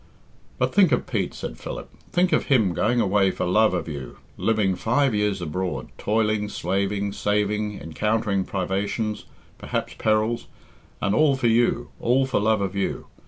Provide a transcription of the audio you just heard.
"But think of Pete," said Philip; "think of him going away for love of you, living five years abroad, toiling, slaving, saving, encountering privations, perhaps perils, and all for you, all for love of you.